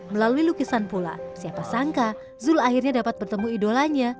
melalui lukisan pula siapa sangka zul akhirnya dapat bertemu idolanya